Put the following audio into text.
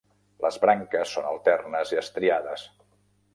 Les branques són alternes i estriades.